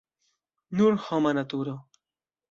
Nur homa naturo.